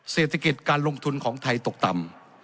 เศรษฐกิจการลงทุนของไทยตกต่ำ